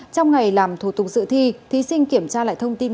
trong ngày làm thủ tục dự thi thí sinh kiểm tra lại thông tin